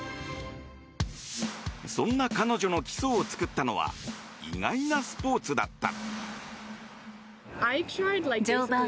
そんな彼女の基礎を作ったのは意外なスポーツだった。